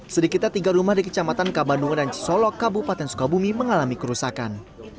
sedikitnya tiga rumah di kecamatan kabandungan dan cisolok kabupaten sukabumi mengalami kerusakan